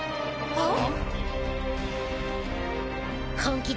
あっ。